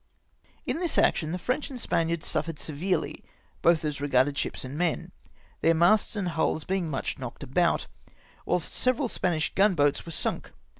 In this action the French and Spaniards suffered severely both as regarded ships and men, theu" masts and hulls being much knocked about, whilst several Spanish gunboats w^ere sunk.